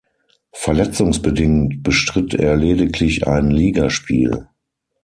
Verletzungsbedingt bestritt er lediglich ein Ligaspiel.